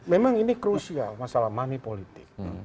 memang ini krusial masalah money politik